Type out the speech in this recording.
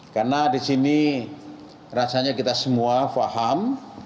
karena di sini rasanya kita semua faham